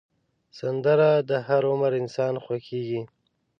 سندره د هر عمر انسان خوښېږي